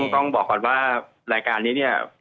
ต้องบอกก่อนว่ารายการนี้เนี่ย